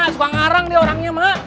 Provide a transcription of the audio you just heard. suka ngarang dia orangnya ma